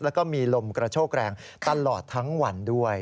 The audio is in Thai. แล้วก็มีลมกระโชกแรงตลอดทั้งวันด้วย